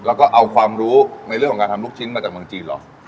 แล้วก็เอาความรู้ในเรื่องของการทำลูกชิ้นมาจากเมืองจีนเหรอ